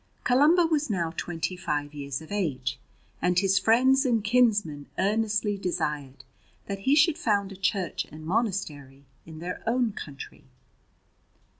Columba was now twenty five years of age, and his friends and kinsmen earnestly desired that he should found a church and monastery in their own country.